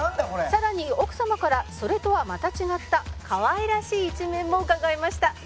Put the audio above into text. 「更に奥様からそれとはまた違った可愛らしい一面も伺えました」